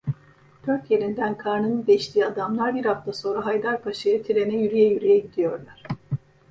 Dört yerinden karnını deştiği adamlar bir hafta sonra Haydarpaşa'ya, trene yürüye yürüye gidiyorlar.